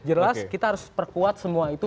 jelas kita harus perkuat semua itu